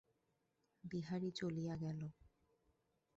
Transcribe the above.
বিহারী চলিয়া গেল।